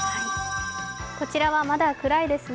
こちらはまだ暗いですね。